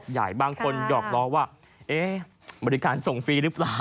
หยอกล้อว่าบริการส่งฟรีหรือเปล่า